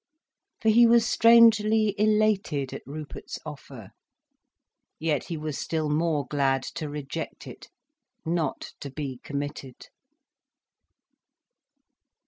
For he was strangely elated at Rupert's offer. Yet he was still more glad to reject it, not to be committed.